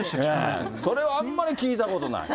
それはあんまり聞いたことない。